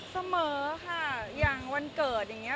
เสมอค่ะอย่างวันเกิดอย่างนี้